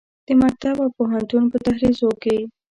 د مکتب او پوهنتون په دهلیزو کې